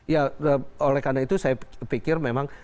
ya oleh karena itu saya pikir memang